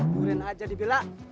duh diberi aja di bela